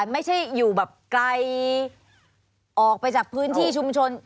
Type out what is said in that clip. ไม่ใช่อยู่แบบไกลออกไปจากพื้นที่ชุมชน